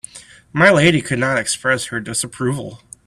My lady could not express her disapproval.